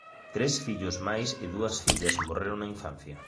Tres fillos máis e dúas fillas morreron na infancia.